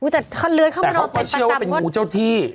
แต่เขาไม่เชื่อว่าเป็นหูเจ้าที่